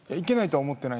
はい。